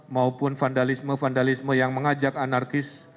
maupun vandalisme vandalisme yang mengajak anarkis